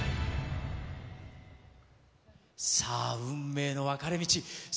さあ、運命の分かれ道。